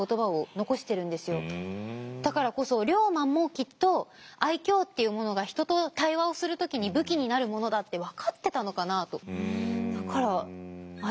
だからこそ龍馬もきっと愛嬌っていうものが人と対話をする時に武器になるものだって分かってたのかなと。